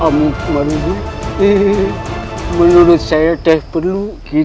semoga rupanya berhasil seperti yang kutemukan